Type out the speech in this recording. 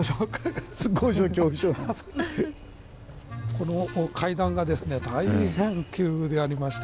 この階段がですね大変急でありまして。